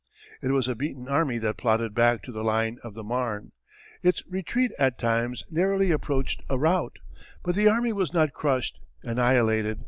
It was a beaten army that plodded back to the line of the Marne. Its retreat at times narrowly approached a rout. But the army was not crushed, annihilated.